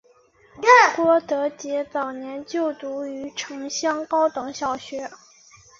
郭德洁早年就读于城厢高等小学。